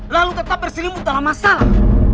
lalu tetap berselimut dalam masalah